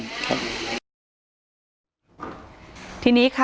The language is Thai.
ถ้าใครอยากรู้ว่าลุงพลมีโปรแกรมทำอะไรที่ไหนยังไง